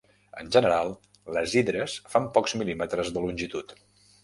En general, les hidres fan pocs mil·límetres de longitud.